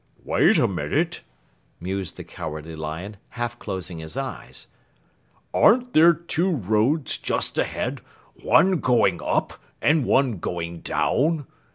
"Wait a minute," mused the Cowardly Lion, half closing his eyes. "Aren't there two roads just ahead, one going up and one going down?